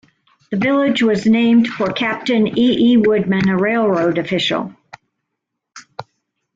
The village was named for Captain E. E. Woodman, a railroad official.